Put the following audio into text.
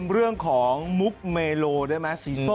เรื่องของมุกเมโลด้วยมั้ยสีส้มอ่ะ